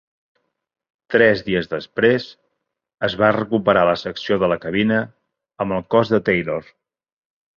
Tres dies després, es va recuperar la secció de la cabina amb el cos de Taylor.